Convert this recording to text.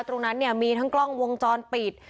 ตรงนั้นเนี่ยมีทั้งกล้องวงจรปิด